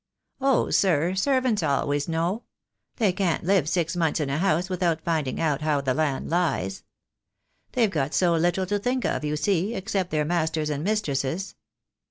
"Oh, sir, servants always know. They can't live six months in a house without finding out how the land lies. They've got so little to think of, you see, except their masters and mistresses.